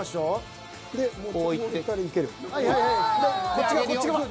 こっち側こっち側。